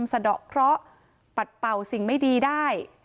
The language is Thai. สะดอกเคราะห์ปัดเป่าสิ่งไม่ดีได้